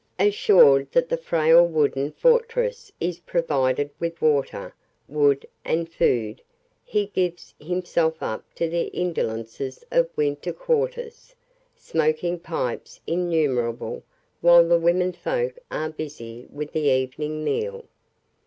Assured that the frail wooden fortress is provided with water, wood and food, he gives himself up to the indolences of winter quarters, smoking pipes innumerable while the women folk are busy with the evening meal.